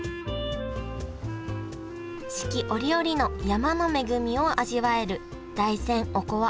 四季折々の山の恵みを味わえる大山おこわ